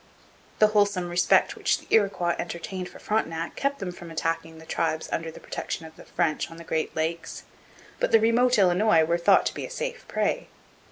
The wholesome respect which the Iroquois entertained for Frontenac kept them from attacking the tribes under the protection of the French on the Great Lakes; but the remote Illinois were thought to be a safe prey.